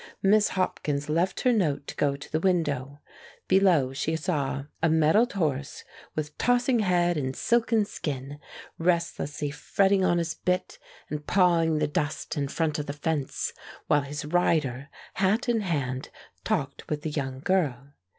Miss Hopkins left her note to go to the window. Below she saw a mettled horse, with tossing head and silken skin, restlessly fretting on his bit and pawing the dust in front of the fence, while his rider, hat in hand, talked with the young girl.